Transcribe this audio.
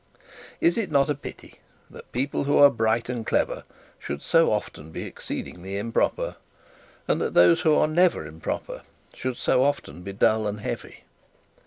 Is it not a pity that people who are bright and clever should so often be exceedingly improper? And that those who are never improper should so often be dull and heavy?